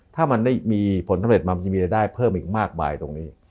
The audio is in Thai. ถ้ามันมีผลสำเร็จมันจะได้เพิ่มอีกมากมายในส่วนตรงนี้